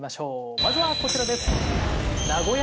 まずはこちらです。